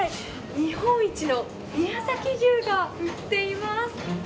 日本一の宮崎牛が売っています。